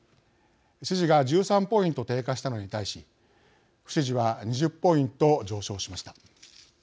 支持が１３ポイント低下したのに対し不支持は２０ポイント上昇しました。